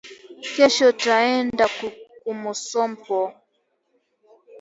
Kesho taenda kumusompo